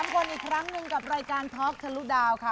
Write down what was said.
พบกับเรา๓คนอีกครั้งหนึ่งกับรายการท็อคทะลุดาวค่ะ